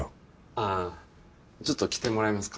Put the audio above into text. あぁちょっと来てもらえますか？